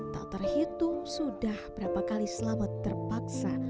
tak terhitung sudah berapa kali selamat terpaksa